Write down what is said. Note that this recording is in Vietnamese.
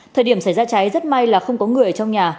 thời điểm xảy ra cháy rất may là không có người trong nhà